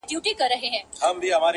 لښکر د سورلنډیو به تر ګوره پوري تښتي.!